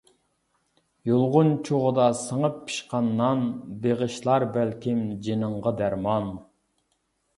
يۇلغۇن چوغىدا سىڭىپ پىشقان نان بېغىشلار بەلكىم جېنىڭغا دەرمان.